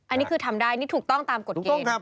อันนี้คือทำได้นี่ถูกต้องตามกฎเกณฑ์